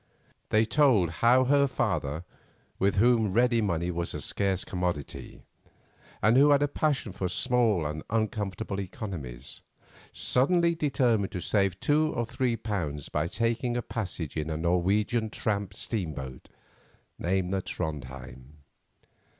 They told how her father, with whom ready money was a scarce commodity, and who had a passion for small and uncomfortable economies, suddenly determined to save two or three pounds by taking a passage in a Norwegian tramp steamboat named the Trondhjem.